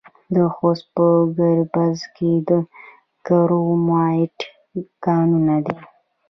د خوست په ګربز کې د کرومایټ کانونه دي.